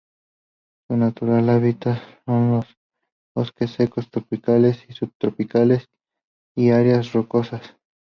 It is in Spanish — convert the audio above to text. Su natural hábitat son los bosques secos tropicales y subtropicales y áreas rocosas.